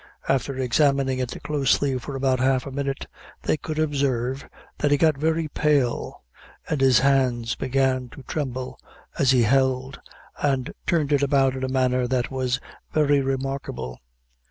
After examining it closely for about half a minute, they could observe that he got very pale, and his hands began to tremble, as he held and turned it about in a manner that was very remarkable.